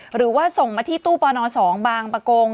หรือว่าส่งมาที่ตู้ปน๒บางประกง